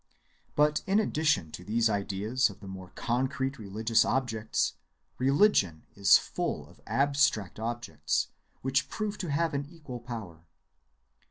But in addition to these ideas of the more concrete religious objects, religion is full of abstract objects which prove to have an equal power.